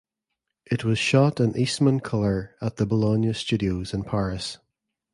It was shot in Eastmancolor at the Boulogne Studios in Paris.